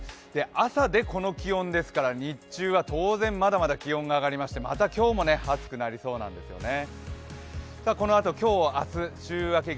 朝でこの気温ですから、日中は当然まだまだ気温が上がりましてまた今日も気温が上がりそうなんですよね。